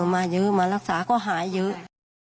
มาเยอะมารักษาก็หายเยอะ